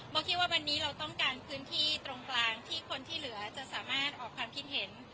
คิดว่าวันนี้เราต้องการพื้นที่ตรงกลางที่คนที่เหลือจะสามารถออกความคิดเห็น